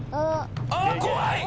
あっ怖い！